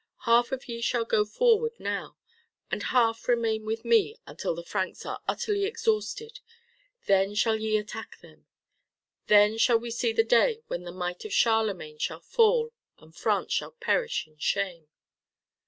Half of ye shall go forward now, and half remain with me until the Franks are utterly exhausted. Then shall ye attack them. Then shall we see the day when the might of Charlemagne shall fall and France shall perish in shame."